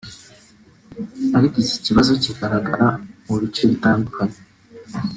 ariko iki kibazo kigaragara mu bice bitandukanye